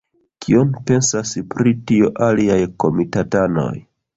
Kion pensas pri tio aliaj komitatanoj?